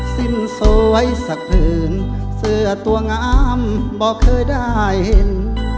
สิ้นสวยสักผืนเสื้อตัวงามบอกเคยได้เห็น